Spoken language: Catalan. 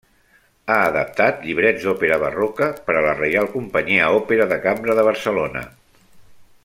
Ha adaptat llibrets d'òpera barroca per a la Reial Companyia Òpera de Cambra de Barcelona.